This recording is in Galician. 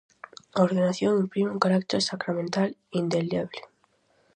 A ordenación imprime un carácter sacramental indeleble.